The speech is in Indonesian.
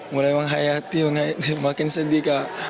mulai memang hayati makin sedih kak